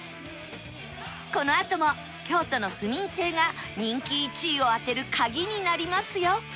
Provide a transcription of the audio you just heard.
このあとも京都の府民性が人気１位を当てるカギになりますよ